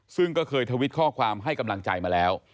ซึ่งก็เคยทวิตข้อความให้กำลังใจมาแล้ว